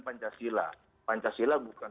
pancasila pancasila bukan